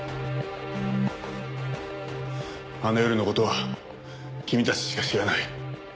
あの夜の事は君たちしか知らない。